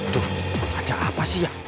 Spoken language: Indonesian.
tuh ada apa sih ya